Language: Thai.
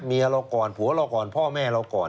เราก่อนผัวเราก่อนพ่อแม่เราก่อน